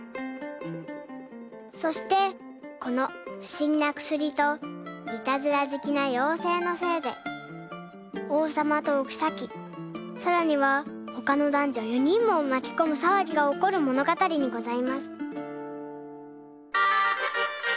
そしてこのふしぎなくすりといたずらずきなようせいのせいでおうさまとおきさきさらにはほかのだんじょ４にんもまきこむさわぎがおこるものがたりにございます。